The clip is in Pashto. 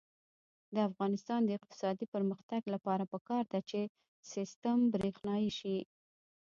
د افغانستان د اقتصادي پرمختګ لپاره پکار ده چې سیستم برښنايي شي.